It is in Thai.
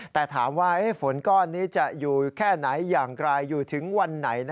แต่ถามว่าฝนก้อนนี้จะอยู่แค่ไหนอย่างไรอยู่ถึงวันไหน